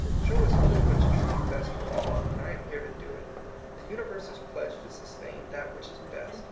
Show us only what is truly best for all, and I am here to do it. The universe is pledged to sustain that which is best.